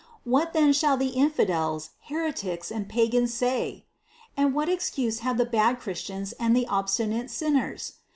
What then shall the infidels, heretics and pagans say? and what ex 226 CITY OF GOD cuse have the bad Christians and the obstinate sinners?